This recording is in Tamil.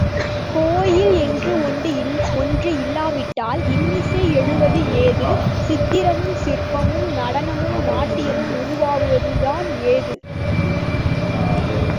கோயில் என்று ஒன்று இல்லாவிட்டால் இன்னிசை எழுவது ஏது, சித்திரமும் சிற்பமும், நடனமும், நாட்டியமும் உருவாவதுதான் ஏது?